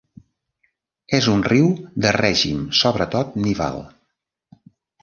És un riu de règim sobretot nival.